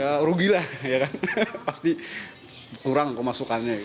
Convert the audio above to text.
ya rugilah pasti kurang kemasukannya